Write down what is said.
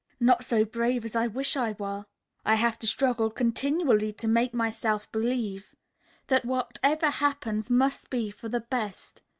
"Not so brave as I wish I were. I have to struggle continually to make myself believe that whatever happens must be for the best.